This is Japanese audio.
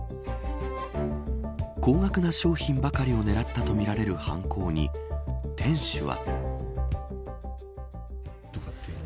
高額な商品ばかりを狙ったとみられる犯行に店主は。